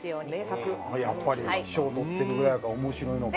やっぱり賞とってるぐらいやから面白いのか？